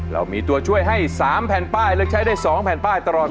เรามีตัวช่วยให้๓แผ่นป้ายเลือกใช้ได้๒แผ่นป้ายตลอด